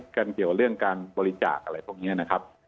กันเกี่ยวเรื่องการบริจาคอะไรพวกนี้นะครับ